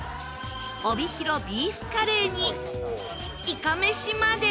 帯広ビーフカレーにいかめしまで。